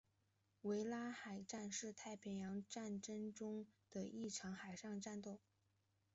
维拉湾海战是太平洋战争中的一场海上战斗。